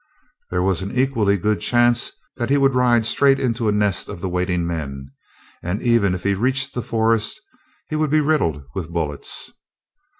There was an equally good chance that he would ride straight into a nest of the waiting men, and, even if he reached the forest, he would be riddled with bullets.